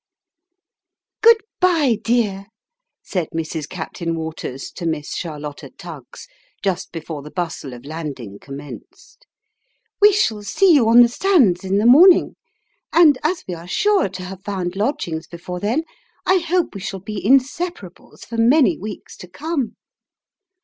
" Good by'e, dear !" said Mrs. Captain Waters to Miss Charlotta Tuggs, just before the bustle of landing commenced ;" we shall seo you on the sands in the morning ; and, as we are sure to have found lodgings before then, I hope we shall be inseparables for many weeks to come."